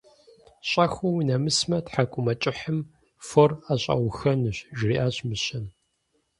- Щӏэхыу унэмысмэ, тхьэкӏумэкӏыхьым фор ӏэщӏэухэнущ, - жриӏащ мыщэм.